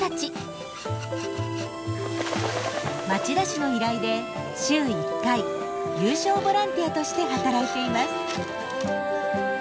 町田市の依頼で週１回有償ボランティアとして働いています。